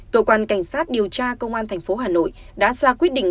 cơ quan cảnh sát điều tra công an tp hà nội đã ra quyết định